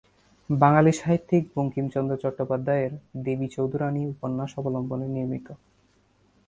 বাঙালি সাহিত্যিক বঙ্কিমচন্দ্র চট্টোপাধ্যায়ের "দেবী চৌধুরাণী" উপন্যাস অবলম্বনে নির্মিত।